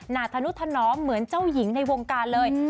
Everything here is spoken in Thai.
นาธนุธนอมเหมือนเจ้าหญิงในวงการเลย